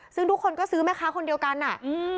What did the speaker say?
ซึ่งทุกคนก็ซื้อแม่ค้าคนเดียวกันอ่ะอืม